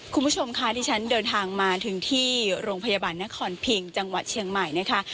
คุณผู้ชมค่ะที่ฉันเดินทางมาถึงที่โรงพยาบาลนครพิงจังหวัดเชียงใหม่นะคะ